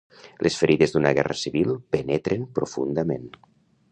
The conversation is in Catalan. Les ferides d'una guerra civil penetren profundament.